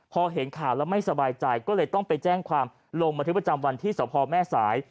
พอเห็นข่าวแล้วไม่สบายใจก็เลยต้องไปแจ้งความลงบันทึกประจำวันที่สพแม่สาย